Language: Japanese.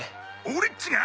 「俺っちが？